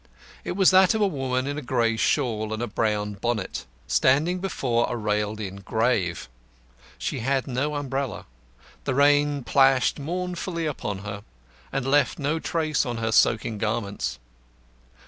It was that of a woman in a grey shawl and a brown bonnet, standing before a railed in grave. She had no umbrella. The rain plashed mournfully upon her, but left no trace on her soaking garments.